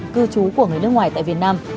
cư trú của người nước ngoài tại việt nam